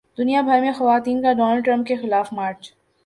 دنیا بھر میں خواتین کا ڈونلڈ ٹرمپ کے خلاف مارچ